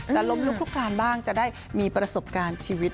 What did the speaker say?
ล้มลุกลุกคลานบ้างจะได้มีประสบการณ์ชีวิต